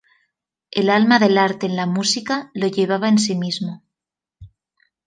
El alma del arte en la música lo llevaba en sí mismo.